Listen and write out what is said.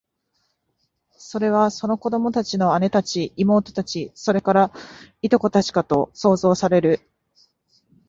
それは、その子供の姉たち、妹たち、それから、従姉妹たちかと想像される